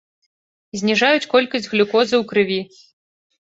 Зніжаюць колькасць глюкозы ў крыві.